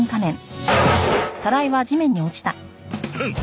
フッ！